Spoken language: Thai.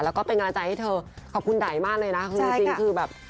แล้วก็เป็นกำลังใจให้เธอขอบคุณไดมากเลยนะคือจริงคือแบบ